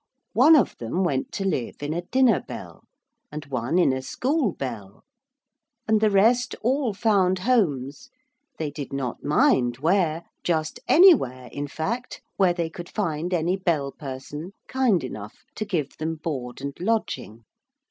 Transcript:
One of them went to live in a dinner bell, and one in a school bell, and the rest all found homes they did not mind where just anywhere, in fact, where they could find any Bell person kind enough to give them board and lodging.